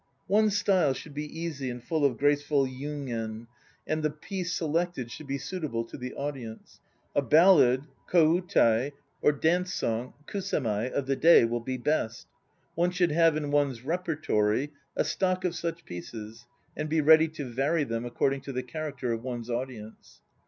One's style should be easy and full of graceful yugen, and the piece 1 selected should be suitable to the audience. A ballad (ko utai) or dance song (kuse mai) of the day will be best. One should have in one's repertory a stock of such pieces and be ready to vary them according to the character of one's audience.